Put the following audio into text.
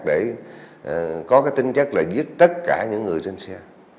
để có cái tính chất là giết tất cả những người trên xe